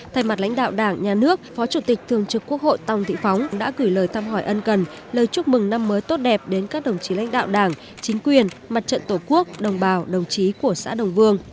thay mặt lãnh đạo đảng nhà nước phó chủ tịch thường trực quốc hội tòng thị phóng đã gửi lời thăm hỏi ân cần lời chúc mừng năm mới tốt đẹp đến các đồng chí lãnh đạo đảng chính quyền mặt trận tổ quốc đồng bào đồng chí của xã đồng vương